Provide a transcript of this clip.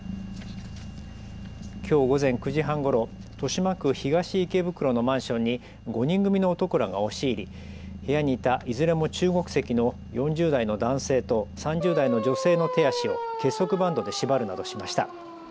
きょう午前９時半ごろ、豊島区東池袋のマンションに５人組の男らが押し入り部屋にいたいずれも中国籍の４０代の男性と３０代の女性の手足を結束バンドで縛るなどしました。